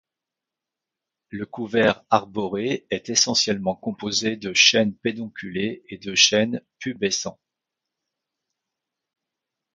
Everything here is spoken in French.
Le couvert arboré est essentiellement composé de chênes pédonculés et de chênes pubescents.